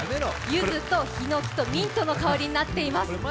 ゆずとひのきとミントの香りになっています。